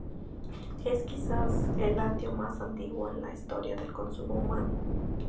Es quizás el lácteo más antiguo en la historia del consumo humano.